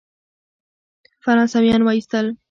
فرانسویان وایستل.